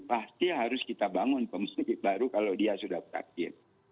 pasti harus kita bangun pemestik baru kalau dia sudah sakit